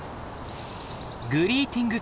グリーティング